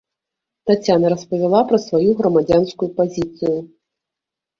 Таццяна распавяла пра сваю грамадзянскую пазіцыю.